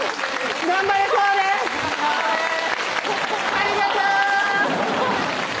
・ありがとう！